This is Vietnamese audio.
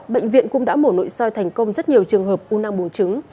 bệnh viện cũng đã mổ nội soi thành công rất nhiều trường hợp u nang buồn chứng